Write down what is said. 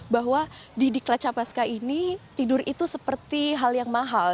bahwa di diklat capaska ini tidur itu seperti hal yang mahal